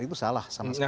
itu salah sama sekali